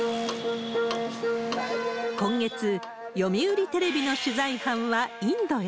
今月、読売テレビの取材班はインドへ。